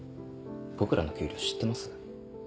僕らの給料知ってます？